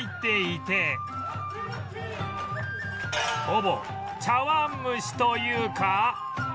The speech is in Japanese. ほぼ茶碗蒸しというか